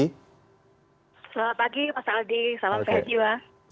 selamat pagi mas aldi salam sehat jiwa